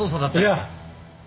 いや。